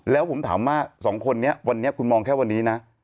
แล้วผมถามว่า๒คนนี้วันนี้คุณมองแค่วันนี้นะ